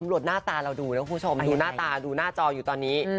ตำรวจหน้าตาเราดูนะคุณผู้ชมดูหน้าตาดูหน้าจออยู่ตอนนี้